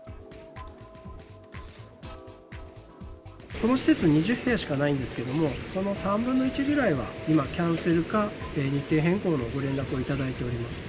この施設、２０部屋しかないんですけど、その３分の１ぐらいは今、キャンセルか、日程変更のご連絡を頂いております。